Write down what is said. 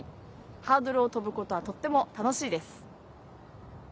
ハードルをとぶことはとっても楽しいです。